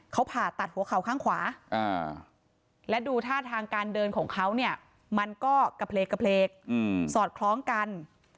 เขาผ่าตัดหัวเข่าข้างขวาและดูท่าทางการเดินของเขาเนี่ยมันก็กระเพลกสอดคล้องกัน